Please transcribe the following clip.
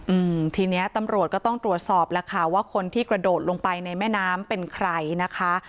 อืมทีเนี้ยตำรวจก็ต้องตรวจสอบแล้วค่ะว่าคนที่กระโดดลงไปในแม่น้ำเป็นใครนะคะ